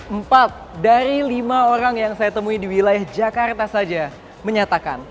empat dari lima orang yang saya temui di wilayah jakarta saja menyatakan